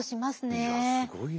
いやすごいね。